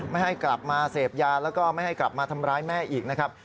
ไม่ให้กลับมาเสพยาแล้วก็ไม่ให้กลับมาทำร้ายแม่อีกนะครับ